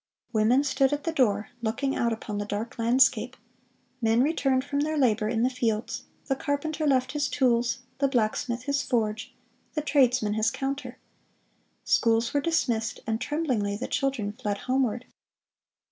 Women stood at the door, looking out upon the dark landscape; men returned from their labor in the fields; the carpenter left his tools, the blacksmith his forge, the tradesman his counter. Schools were dismissed, and tremblingly the children fled homeward.